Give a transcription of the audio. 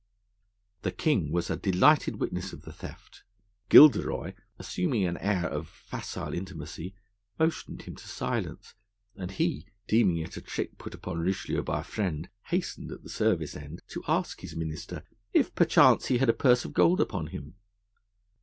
The king was a delighted witness of the theft; Gilderoy, assuming an air of facile intimacy, motioned him to silence; and he, deeming it a trick put upon Richelieu by a friend, hastened, at the service end, to ask his minister if perchance he had a purse of gold upon him.